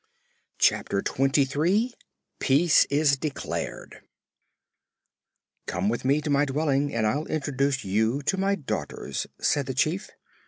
Chapter Twenty Three Peace Is Declared "Come with me to my dwelling and I'll introduce you to my daughters," said the Chief.